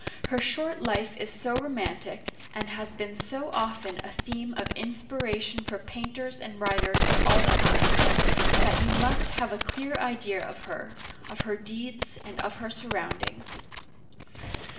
Her short life is so romantic, and has uigiTizea Dy vjiOOQlC l86 OLD FRANCE been so often a theme of inspiration for painters and writers of all kinds, that you must have a clear idea* of her, of her deeds, and of her surroundings.